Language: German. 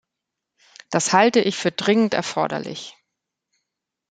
Das halte ich für dringend erforderlich.